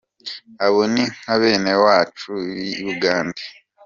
Abo ni nka benewacu b’i Bugande